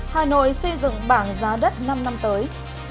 hà nội xây dựng bảng giá đất năm năm tới